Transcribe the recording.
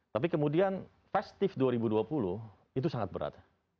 tapi kemudian festive dua ribu dua puluh itu sangat berat